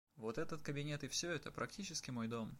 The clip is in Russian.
Вот этот кабинет и все это - практически мой дом.